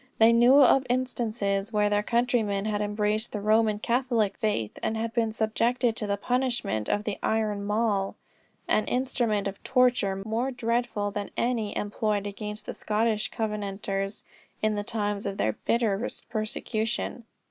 They knew of instances where their countrymen who had embraced the Roman Catholic faith, had been subjected to the punishment of the iron mall, an instrument of torture more dreadful than any employed against the Scottish Covenanters, in the times of their bitterest persecution.